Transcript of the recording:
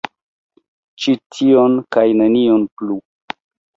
Ĉi tion kaj nenion plu!